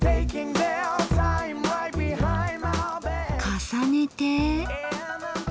重ねて。